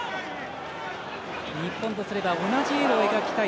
日本とすれば同じ絵を描きたい。